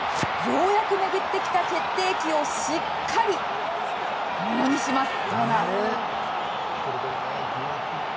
ようやく巡ってきた決定機をしっかりものにしますガーナ。